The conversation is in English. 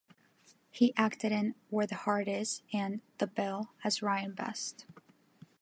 He acted in "Where the Heart Is" and "The Bill", as Ryan Best.